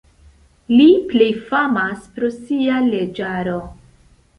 Li plej famas pro sia leĝaro.